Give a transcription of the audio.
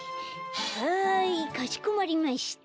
はいかしこまりました。